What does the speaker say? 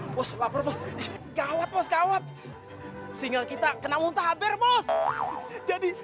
bos lapar gawat gawat single kita kena muntah haber bos jadi